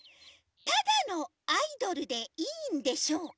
ただのアイドルでいいんでしょうか？